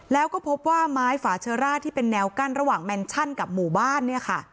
แล้วก็พบว่าไม้ฝาเชอร่าที่เป็นแนวกั้นระหว่างแมนชั่นกับหมู่บ้านเนี่ยค่ะ